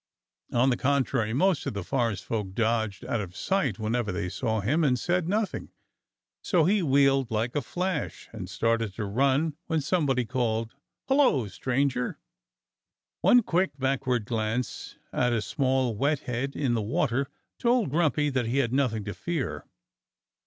On the contrary, most of the forest folk dodged out of sight whenever they saw him, and said nothing. So he wheeled like a flash and started to run when somebody called, "Hullo, stranger!" One quick backward glance at a small wet head in the water told Grumpy that he had nothing to fear.